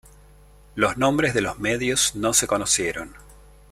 Los nombres de los medios no se conocieron.